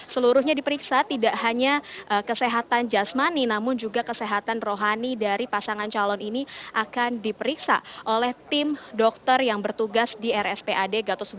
seluruhnya diperiksa tidak hanya kesehatan jasmani namun juga kesehatan rohani dari pasangan calon ini akan diperiksa oleh tim dokter yang bertugas di rspad gatot